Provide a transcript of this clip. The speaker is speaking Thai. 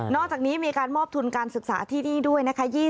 อกจากนี้มีการมอบทุนการศึกษาที่นี่ด้วยนะคะ